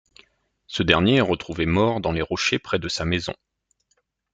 Ce dernier est retrouvé mort dans les rochers près de sa maison.